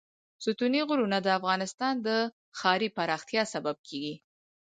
ستوني غرونه د افغانستان د ښاري پراختیا سبب کېږي.